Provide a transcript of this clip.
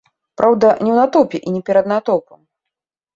Праўда, не ў натоўпе і не перад натоўпам.